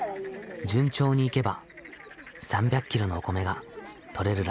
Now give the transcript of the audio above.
順調にいけば３００キロのお米がとれるらしい。